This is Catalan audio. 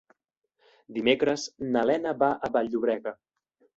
Dimecres na Lena va a Vall-llobrega.